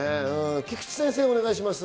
菊地先生、お願いします。